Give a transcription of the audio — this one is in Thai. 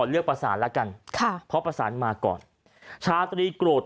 เลือกประสานแล้วกันค่ะเพราะประสานมาก่อนชาตรีโกรธ